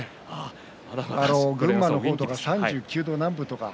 群馬の方とか３９度何分とか。